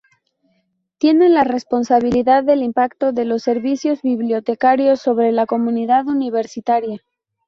Tienen la responsabilidad del impacto de los servicios bibliotecarios sobre la comunidad universitaria.